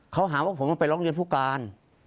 เขาหาว่าผมไปร้องเรียนผู้การ